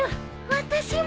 私も！